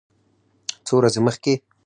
څو ورځې مخکې